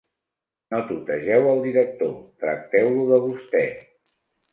No tutegeu el director: tracteu-lo de vostè.